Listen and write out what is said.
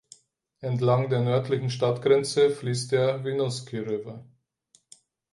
Entlang der nördlichen Stadtgrenze fließt der Winooski River.